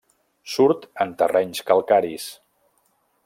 Surt en terrenys calcaris.